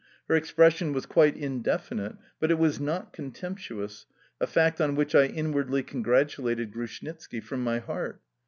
Her expression was quite indefinite, but it was not contemptuous, a fact on which I inwardly congratulated Grushnitski from my heart.